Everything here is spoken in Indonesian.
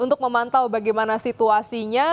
untuk memantau bagaimana situasinya